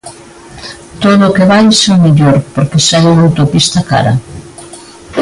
Todo o que baixen mellor porque xa é unha autopista cara.